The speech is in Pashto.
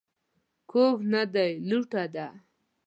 کوږ نه دى ، لوټه ده.